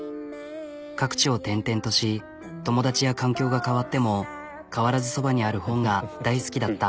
各地を転々とし友達や環境が変わっても変わらずそばにある本が大好きだった。